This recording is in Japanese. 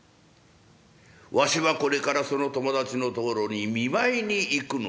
わしはこれからその友達のところに見舞いに行くのだがな。